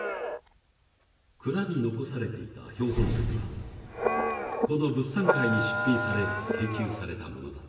蔵に残されていた標本類はこの物産会に出品され研究された物だ。